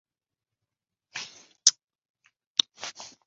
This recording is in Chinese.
大友亲家是日本战国时代至江户时代前期的武将。